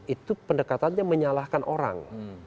itu pendekatannya menyalahkan orang